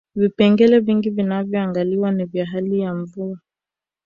vipengele vingi vinavyoangaliwa ni vya hali ya mvua